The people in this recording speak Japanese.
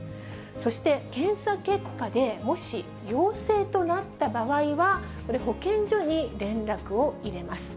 そして、検査結果で、もし陽性となった場合は、保健所に連絡を入れます。